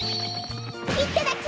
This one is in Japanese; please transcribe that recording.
いただき！